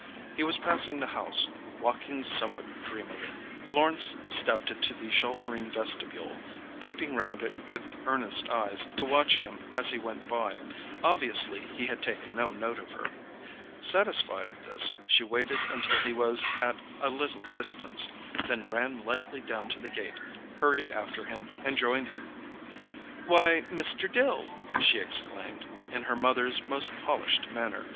He was passing the house, walking somewhat dreamily. Florence stepped into the sheltering vestibule, peeping round it with earnest eyes to watch him as he went by; obviously he had taken no note of her. Satisfied of this, she waited until he was at a little distance, then ran lightly down to the gate, hurried after him and joined him. "Why, Mr. Dill!" she exclaimed, in her mother's most polished manner.